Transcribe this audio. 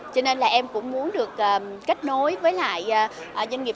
cho nên là em cũng muốn được kết nối với lại doanh nghiệp